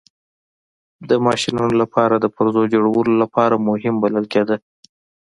د ماشینونو لپاره د پرزو جوړولو لپاره مهم بلل کېده.